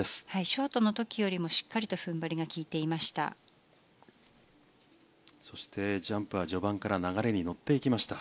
ショートの時よりもしっかりと踏ん張りが利いていました。